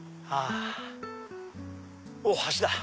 おっ橋だ！